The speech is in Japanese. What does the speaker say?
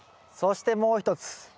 そしてもう一つ。